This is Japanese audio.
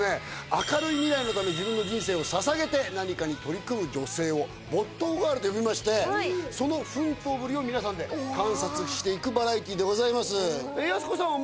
明るい未来のために自分の人生をささげて何かに取り組む女性を没頭ガールと呼びましてその奮闘ぶりを皆さんで観察していくバラエティーでございます。